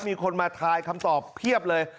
มีคนมาทายคำตอบเพียบเลย